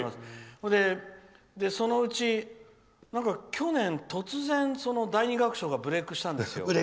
それで、そのうち去年、突然「第二楽章」がブレークしたんですよ。